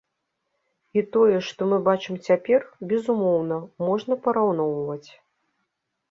І тое, што мы бачым цяпер, безумоўна, можна параўноўваць.